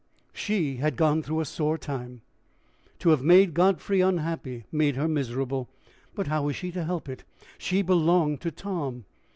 She had gone through a sore time. To have made Godfrey unhappy, made her miserable; but how was she to help it? She belonged to Tom!